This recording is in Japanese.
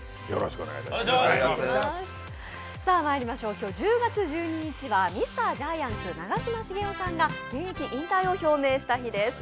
今日１０月１２日はミスタージャイアンツ・長嶋茂雄さんが現役引退を表明した日です。